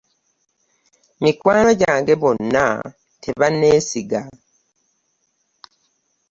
Mikwano gyange bonna tebanneesiga.